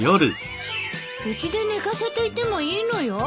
うちで寝かせていてもいいのよ。